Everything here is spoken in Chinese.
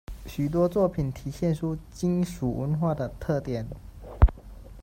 许多作品体现出荆楚文化的特点。